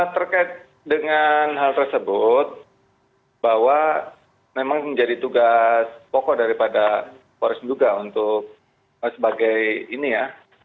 terkait dengan hal tersebut bahwa memang menjadi tugas pokok daripada polres duga untuk sebagai ini ya